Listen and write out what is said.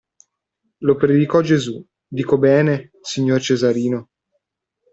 Lo predicò Gesù, dico bene, signor Cesarino?